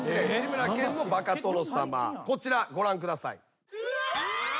こちらご覧ください。